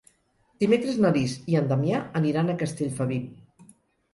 Dimecres na Lis i en Damià aniran a Castellfabib.